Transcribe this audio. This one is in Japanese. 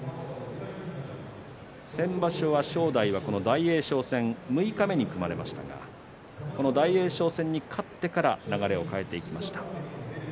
先場所は正代が大栄翔戦六日目に組まれましたが大栄翔戦に勝ってから流れを変えていきました。